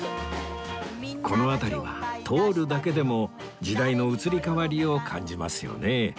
この辺りは通るだけでも時代の移り変わりを感じますよね